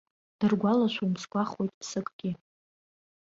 Дыргәылашәом, сгәахәуеит, ԥсыкгьы.